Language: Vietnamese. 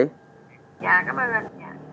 dạ cảm ơn anh